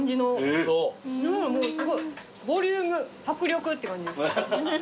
もうすごいボリューム迫力って感じ。